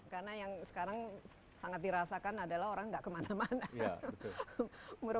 karena yang sekarang sangat dirasakan adalah orang tidak kemana mana